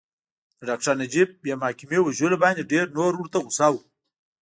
د ډاکټر نجیب بې محاکمې وژلو باندې ډېر نور ورته غوسه وو